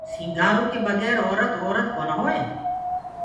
سينٚگآرو ڪي بگير اورَت اورَت ڪونآ هوئي۔